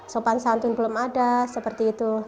sopan santun belum ada seperti itu